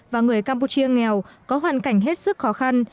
và người campuchia nghèo có hoàn cảnh hết sức khó khăn